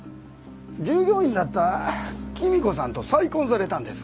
従業員だったきみ子さんと再婚されたんです。